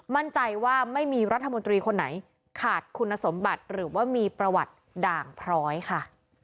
มั่นใจว่าไม่มีรัฐมนตรีคนไหนขาดคุณสมบัติหรือว่ามีประวัติด่างพร้อยค่ะ